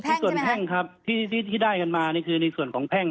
แพ้งใช่ไหมฮะที่ที่ที่ได้กันมานี่คือในส่วนของแพ้ง